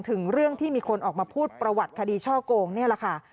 ถึงเรื่องที่มีคนออกมาพูดประวัติคดีช่อโกงนี่แหละค่ะ